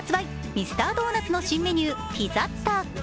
ミスタードーナツの新メニュー、ピザッタ。